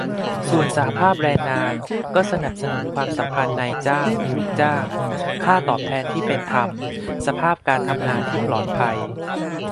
ส่วนสหภาพแรงงาน ก็สนับสนุนความสัมพันธ์นายจ้าง-ลูกจ้าง ค่าตอบแทนที่เป็นธรรม สภาพการทำงานที่ปลอดภัย